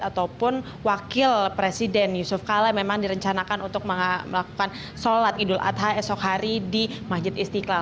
ataupun wakil presiden yusuf kala memang direncanakan untuk melakukan sholat idul adha esok hari di masjid istiqlal